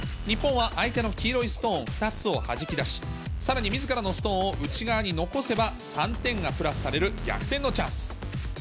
日本は相手の黄色いストーン２つをはじき出し、さらにみずからのストーンを内側に残せば、３点がプラスされる逆転のチャンス。